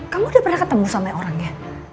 kamu udah pernah ketemu sama orangnya